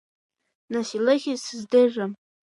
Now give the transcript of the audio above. Нас илыхь сыздыррам.